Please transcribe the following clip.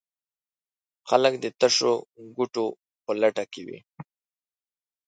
خلک د تشو کوټو په لټه کې وي.